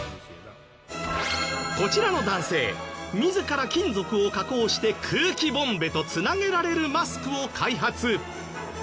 こちらの男性自ら金属を加工して空気ボンベとつなげられるマスクを開発。